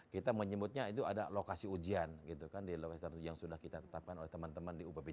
kita menyebutnya itu ada lokasi ujian gitu kan di lowester yang sudah kita tetapkan oleh teman teman di upbd